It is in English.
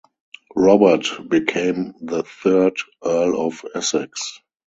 Robert became the third Earl of Essex.